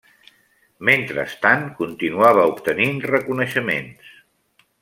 Mentrestant continuava obtenint reconeixements.